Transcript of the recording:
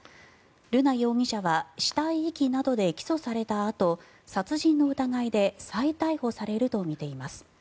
瑠奈容疑者は死体遺棄などで起訴されたあと殺人の疑いで再逮捕されるとみています。